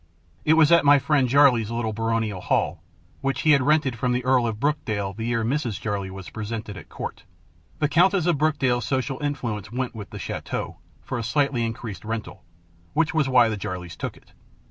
It was at my friend Jarley's little baronial hall, which he had rented from the Earl of Brokedale the year Mrs. Jarley was presented at court. The Countess of Brokedale's social influence went with the château for a slightly increased rental, which was why the Jarleys took it.